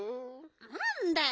なんだよ。